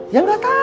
ya nggak tahu